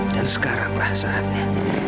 dan sekarang lah saatnya